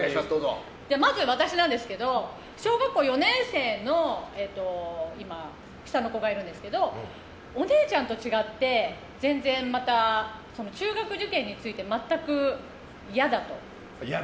まず私なんですけど小学校４年生の下の子がいるんですけどお姉ちゃんと違って中学受験について全く嫌だと。